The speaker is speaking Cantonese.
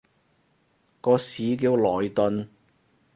個市叫萊頓